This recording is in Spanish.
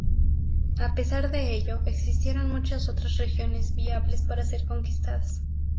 A pesar de ello, existieron muchas otras regiones viables para ser conquistadas.